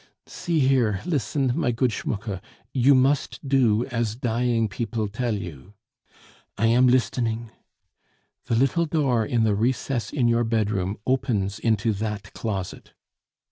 "See here, listen, my good Schmucke, you must do as dying people tell you " "I am lisdening." "The little door in the recess in your bedroom opens into that closet."